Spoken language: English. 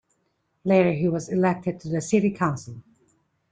Later he was elected to the City Council.